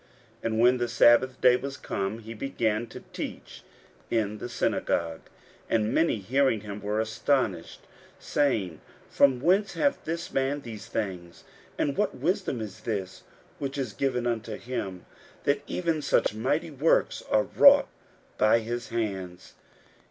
41:006:002 And when the sabbath day was come, he began to teach in the synagogue: and many hearing him were astonished, saying, From whence hath this man these things? and what wisdom is this which is given unto him, that even such mighty works are wrought by his hands?